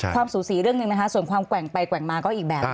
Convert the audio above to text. สูสีเรื่องหนึ่งนะคะส่วนความแกว่งไปแกว่งมาก็อีกแบบ